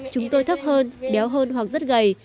chúng tôi thấp hơn béo hơn hoặc rất gầy